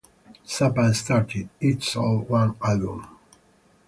Zappa stated, It's all one album.